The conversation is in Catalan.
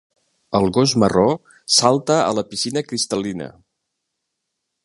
El gos marró salta a la piscina cristal·lina.